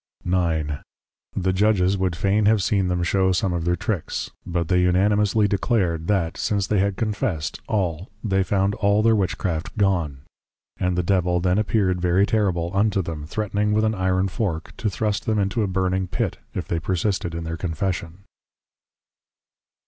IX. The \Judges\ would fain have seen them show some of their \Tricks\; but they Unanimously declared, that, \Since they had confessed\, all, they found all their \Witchcraft\ gone; and the Devil then Appeared very Terrible unto them, threatning with an \Iron Fork\, to thrust them into a Burning Pit, if they persisted in their Confession.